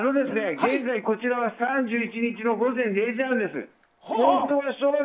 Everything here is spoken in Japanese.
現在こちらは３１日の午前０時半です。